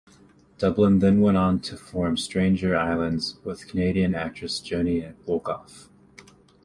Dublin then went on to form Stranger Islands with Canadian actress Joanie Wolkoff.